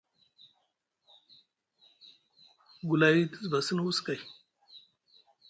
Gulay te zuva sini wus kay.